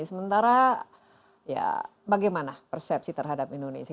sementara ya bagaimana persepsi terhadap indonesia